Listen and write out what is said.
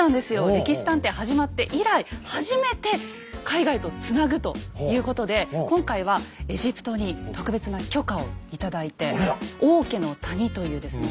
「歴史探偵」始まって以来初めて海外とつなぐということで今回はエジプトに特別な許可を頂いて「王家の谷」というですね